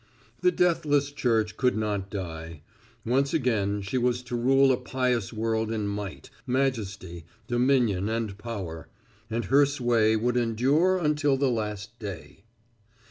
The deathless Church could not die. Once again she was to rule a pious world in might, majesty, dominion and power and her sway would endure until the last day.